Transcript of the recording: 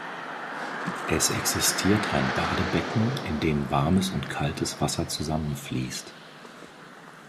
Es existiert ein Badebecken, in dem warmes und kaltes Wasser zusammenfließt.